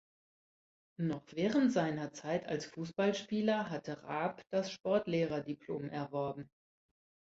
Noch während seiner Zeit als Fußballspieler hatte Raab das Sportlehrer-Diplom erworben.